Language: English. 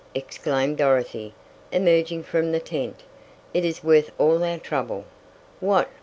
exclaimed Dorothy, emerging from the tent. "It is worth all our trouble." "What!"